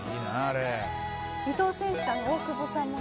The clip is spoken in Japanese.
伊東選手と大久保さんもね